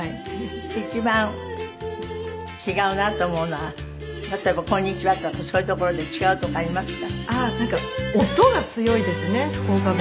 一番違うなと思うのは例えば「こんにちは」とかそういうところで違うとこありますか？